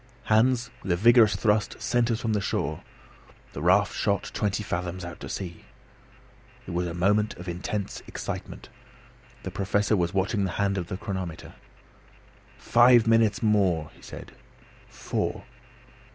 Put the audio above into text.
Hans, with a vigorous thrust, sent us from the shore. The raft shot twenty fathoms out to sea. It was a moment of intense excitement. The Professor was watching the hand of the chronometer. "Five minutes more!" he said. "Four!